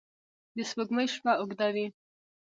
د سپوږمۍ شپه اوږده وي